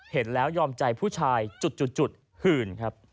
เห็นแล้วยอมใจผู้ชายจุดหื่นครับ